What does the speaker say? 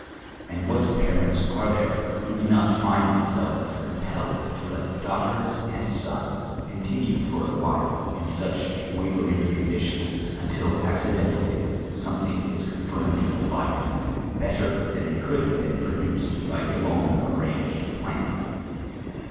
And what parents are there who do not find themselves compelled to let daughters and sons continue for a while in such a wavering condition, until accidentally something is con firmed for life, better than it could have been produced by a long arranged plan.